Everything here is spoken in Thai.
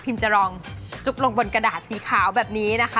จะลองจุ๊บลงบนกระดาษสีขาวแบบนี้นะคะ